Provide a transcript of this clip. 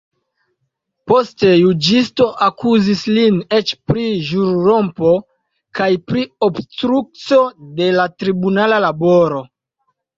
Poste, juĝisto akuzis lin eĉ pri ĵurrompo kaj pri obstrukco de la tribunala laboro.